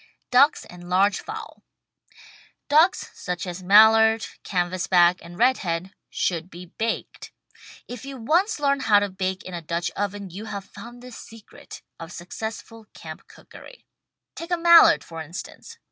DUCKS AND LARGE FOWL Ducks, such as Mallard, Canvasback and Redhead, should be baked. If you once learn how to bake in a Dutch Oven you have found the secret of successful camp cookery. Take a Mallard, for instance.